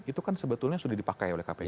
itu kan sebetulnya sudah dipakai oleh kpu